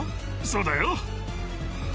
そうだよ。